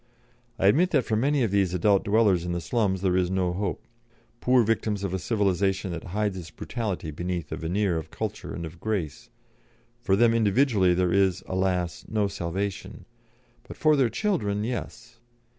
I admit that for many of these adult dwellers in the slums there is no hope. Poor victims of a civilisation that hides its brutality beneath a veneer of culture and of grace, for them individually there is, alas! no salvation. But for their children, yes!